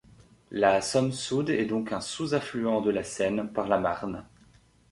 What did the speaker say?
La Somme-Soude est donc un sous-affluent de la Seine, par la Marne.